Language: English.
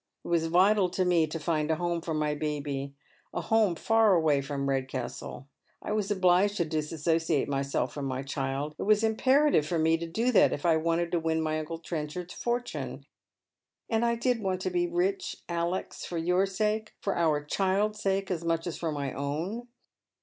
It was vital to me to find a home for my baby, a home far awaj' from Eedcastle. I was obliged to disassociate mj'self from my child. It was imperative for me to do tliat if I wanted to win my uncle Trenchard's for tune — and I did want to be rich, Alex, for your sake, for our child's sake, as much as for my own.